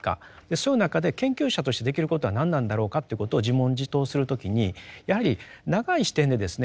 そういう中で研究者としてできることは何なんだろうかということを自問自答する時にやはり長い視点でですね